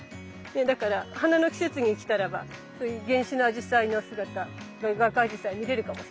だから花の季節に来たらばそういう原種のアジサイの姿がガクアジサイ見れるかもしれないですね